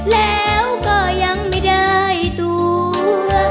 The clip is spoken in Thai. แล้วก็ยังไม่ได้ตัว